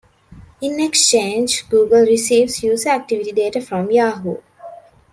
In exchange, Google receives user activity data from Yahoo!